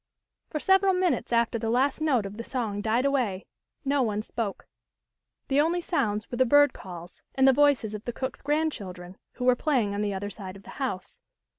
For several minutes after the last note of the song died away no one spoke. The only sounds were the bird calls, and the voices of the cook's grandchildren, who were playing on the other side of the house.